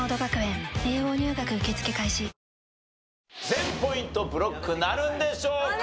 全ポイントブロックなるんでしょうか？